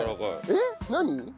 えっ何？